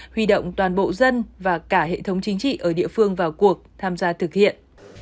huy động toàn bộ dân và cả hệ thống chính trị ở địa phương vào cuộc tham gia thực hiện